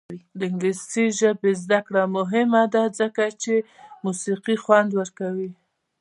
د انګلیسي ژبې زده کړه مهمه ده ځکه چې موسیقي خوند ورکوي.